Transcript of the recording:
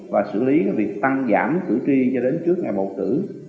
và xử lý việc tăng giảm cử tri cho đến trước ngày bầu cử